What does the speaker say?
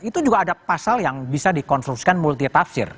itu juga ada pasal yang bisa dikonstruksikan multitafsir